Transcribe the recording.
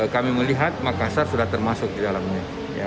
kami melihat makassar sudah termasuk di dalamnya